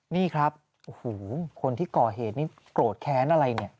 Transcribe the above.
นี่ครับโอ้โหคนที่ก่อเหตุนี้โกรธแค้นอะไรเนี่ย